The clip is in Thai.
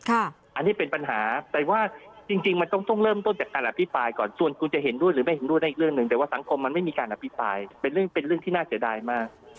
อันนี้เป็นปัญหาแต่ว่าจริงมันต้องเริ่มต้นจากการอภิปรายก่อนส่วนคุณจะเห็นด้วยหรือไม่เห็นด้วยอีกเรื่องหนึ่งแต่ว่าสังคมมันไม่มีการอภิปรายเป็นเรื่องที่น่าเสียดายมาก